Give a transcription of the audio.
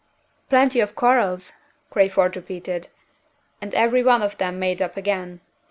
"Plenty of quarrels!" Crayford repeated; "and every one of them made up again."